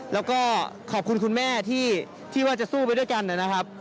แล้วก็ขอบคุณคุณแม่ที่ว่าจะสู้ไปด้วยกันนะครับ